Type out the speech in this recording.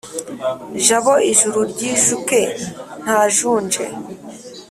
jabo ijuru ryijuke ntajunje